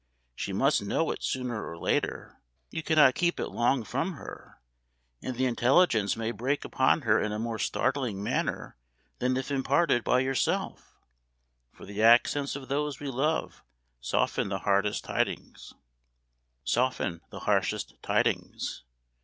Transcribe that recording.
"She must know it sooner or later: you cannot keep it long from her, and the intelligence may break upon her in a more startling manner than if imparted by yourself; for the accents of those we love soften the harshest tidings.